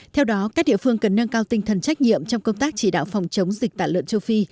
theo đó các địa phương cần nâng cao tinh thần trách nhiệm trong công tác chỉ đạo phòng chống dịch tả lợn châu phi